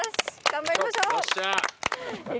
頑張りましょう！